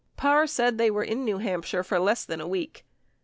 41 Parr said they were in New Hampshire less than a week.